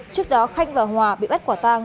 trước đó khanh và hòa bị bắt quả tang